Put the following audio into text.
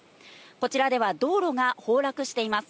こちらでは道路が崩落しています。